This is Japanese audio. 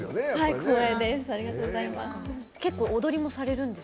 光栄です。